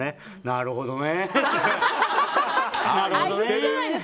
なるほどねって。